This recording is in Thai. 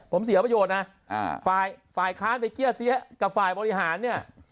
ผมเสียประโยชน์นะฝ่ายฝ่ายค้านไปเกลี้ยเสียกับฝ่ายบริหารเนี่ย